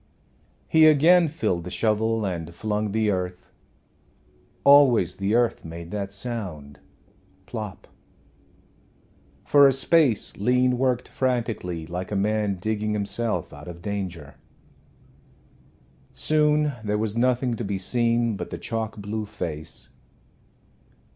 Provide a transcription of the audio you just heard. He again filled the shovel and flung the earth. Always the earth made that sound plop! For a space Lean worked frantically, like a man digging himself out of danger. Soon there was nothing to be seen but the chalk blue face.